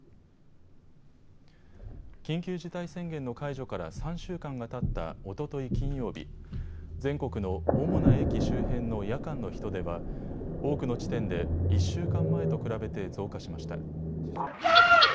緊急事態宣言の解除から３週間がたったおととい金曜日、全国の主な駅周辺の夜間の人出は多くの地点で１週間前と比べて増加しました。